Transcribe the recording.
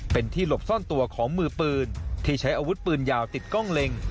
เป็นที่หลบซ่อนตัวของมือปืนที่ใช้อาวุธปืนยาวติดกล้องเล็ง